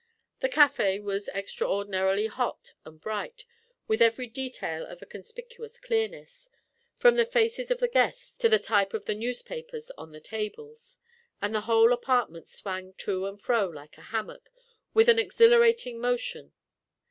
The cafe was extraordinarily hot and bright, with every detail of a conspicuous clearness, from the faces of the guests to the type of the newspapers on the tables, and the whole apartment swang to and fro like a hammock, with an exhilarating motion.